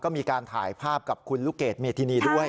ก็มีการถ่ายภาพกับคุณลูกเกดเมธินีด้วย